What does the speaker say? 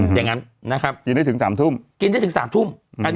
อย่างนั้นนะครับกินได้ถึง๓ทุ่ม